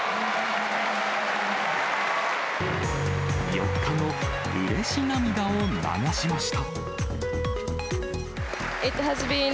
４日後、うれし涙を流しました。